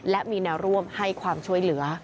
และมีแนวร่วมให้ความช่วยเหลือ